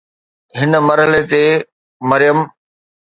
هن مرحلي تي مريم